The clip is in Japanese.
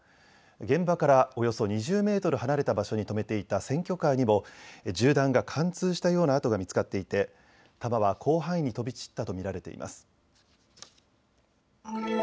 現場からおよそ２０メートル離れた場所に停めていた選挙カーにも銃弾が貫通したような痕が見つかっていて弾は広範囲に飛び散ったと見られています。